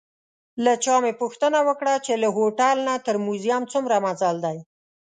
له چا مې پوښتنه وکړه چې له هوټل نه تر موزیم څومره مزل دی.